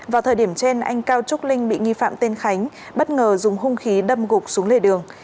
vào thời điểm trên anh cao trúc linh bị nghi phạm tên khánh bất ngờ dùng hung khí đâm gục xuống lề đường